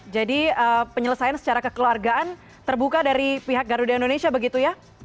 jadi penyelesaian secara kekeluargaan terbuka dari pihak garuda indonesia begitu ya